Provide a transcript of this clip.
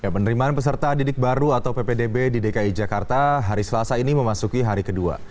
penerimaan peserta didik baru atau ppdb di dki jakarta hari selasa ini memasuki hari kedua